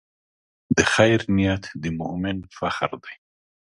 د خیر نیت د مؤمن فخر دی.